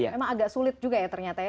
memang agak sulit juga ya ternyata ya